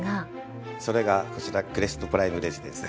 それがこちらクレストプライムレジデンスです。